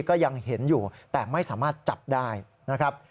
ก็ยังเห็นอยู่แต่ไม่สามารถจับได้นะครับ